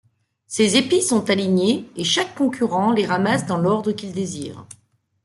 Ces épis sont alignés et chaque concurrent les ramasse dans l'ordre qu'il désire.